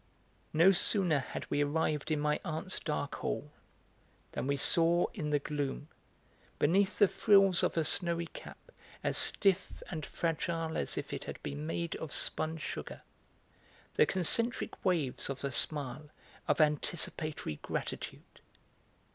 No sooner had we arrived in my aunt's dark hall than we saw in the gloom, beneath the frills of a snowy cap as stiff and fragile as if it had been made of spun sugar, the concentric waves of a smile of anticipatory gratitude.